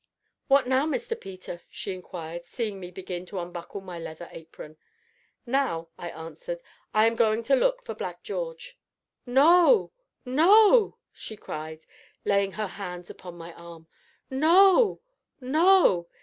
"What now, Mr. Peter?" she inquired, seeing me begin to unbuckle my leather apron. "Now," I answered, "I am going to look for Black George." "No! no!" she cried, laying her hands upon my arm, "no! no!